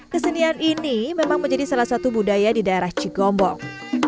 kesenian ini memang menjadi salah satu budaya di daerah cigombong